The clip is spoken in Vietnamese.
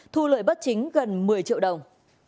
thu lợi bất chính gần một mươi triệu đồng